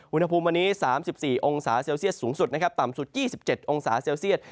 อุณหภูมิวันนี้๓๔องศาเซลเซียสสูงสุดนะครับต่ำสุด๒๗องศาเซลเซียต